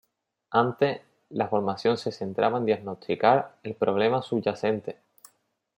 Antes, la formación se centraba en diagnosticar el problema subyacente.